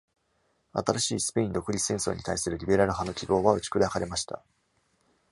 新しいスペイン独立戦争に対するリベラル派の希望は打ち砕かれました。